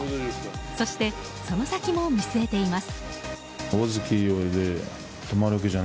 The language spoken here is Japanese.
そして、その先も見据えています。